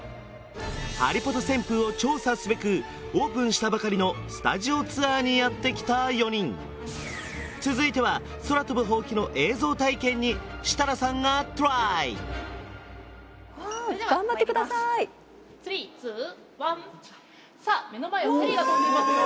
ハリポタ旋風を調査すべくオープンしたばかりのスタジオツアーにやってきた４人続いては空飛ぶほうきの映像体験に設楽さんがトライ頑張ってくださーい・３２１さあ目の前をハリーが飛んでますよ